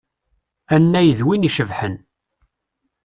Anay d win icebḥen.